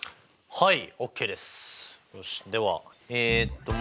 はい。